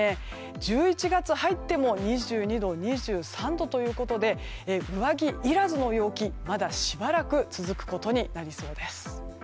１１月に入っても２２度、２３度ということで上着いらずの陽気がまだしばらく続くことになりそうです。